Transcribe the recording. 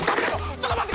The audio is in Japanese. ちょっと待って！